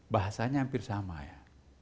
bahasanya hampir sama ya